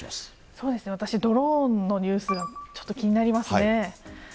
そうですね、私、ドローンのニュースがちょっと気になりますね。